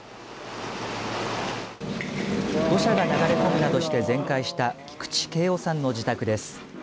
土砂が流れ込むなどして全壊した菊池敬男さんの自宅です。